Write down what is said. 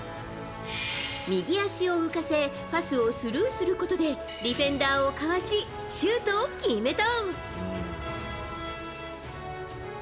右足を浮かせパスをスルーすることでディフェンダーをかわしシュートを決めた。